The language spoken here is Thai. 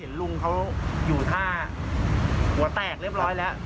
ลุงเขาอยู่ท่าหัวแตกเรียบร้อยแล้ว